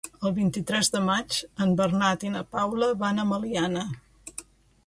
El vint-i-tres de maig en Bernat i na Paula van a Meliana.